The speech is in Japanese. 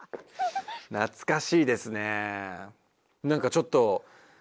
なつかしいですね！